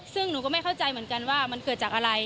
ซึ่งหนูก็ไม่เข้าใจเหมือนกันว่ามันเกิดจากอะไร